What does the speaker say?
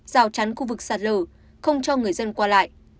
rào chắn khu vực sạt lở không cho người dân qua lại